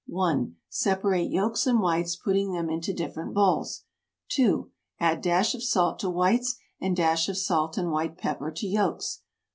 1. Separate yolks and whites, putting them into different bowls. 2. Add dash of salt to whites, and dash of salt and white pepper to yolks.